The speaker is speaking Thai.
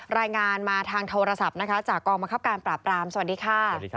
รายงานมาทางโทรศัพท์นะคะจากกองบังคับการปราบรามสวัสดีค่ะ